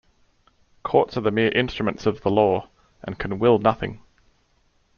Courts are the mere instruments of the law, and can will nothing.